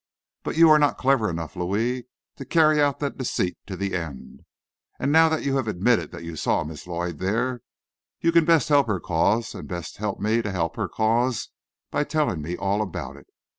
But you are not clever enough, Louis, to carry out that deceit to the end. And now that you have admitted that you saw Miss Lloyd there, you can best help her cause, and best help me to help her cause, by telling me all about it.